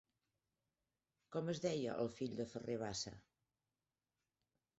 Com es deia el fill de Ferrer Bassa?